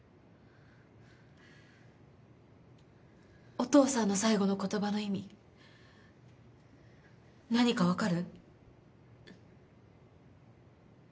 お父さんの最期の言葉の意味何か分かる？